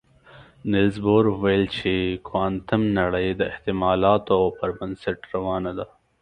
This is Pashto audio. نيلز بور ویل چې کوانتم نړۍ د احتمالاتو پر بنسټ روانه ده.